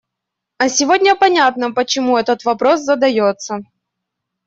А сегодня понятно, почему этот вопрос задается.